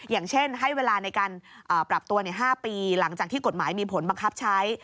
อย่างเช่นให้เวลาในการปรับตัว๕ปีหลังจากที่กฎหมายมีผลบังคับใช้